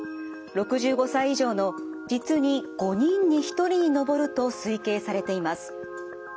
６５歳以上の実に５人に１人に上ると推計されています。